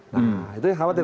nah itu yang khawatir